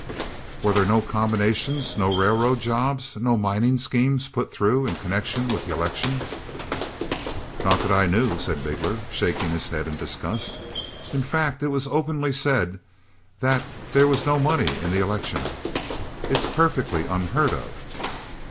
"Were there no combinations, no railroad jobs, no mining schemes put through in connection with the election? "Not that I knew," said Bigler, shaking his head in disgust. "In fact it was openly said, that there was no money in the election. It's perfectly unheard of."